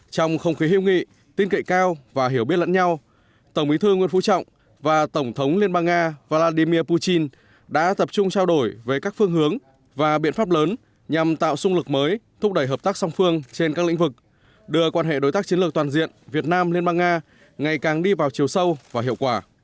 trong không khí hiệu nghị tin cậy cao và hiểu biết lẫn nhau tổng bí thư nguyễn phú trọng và tổng thống liên bang nga vladimir putin đã tập trung trao đổi về các phương hướng và biện pháp lớn nhằm tạo sung lực mới thúc đẩy hợp tác song phương trên các lĩnh vực đưa quan hệ đối tác chiến lược toàn diện việt nam liên bang nga ngày càng đi vào chiều sâu và hiệu quả